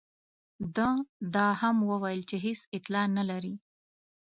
ده دا هم وویل چې هېڅ اطلاع نه لري.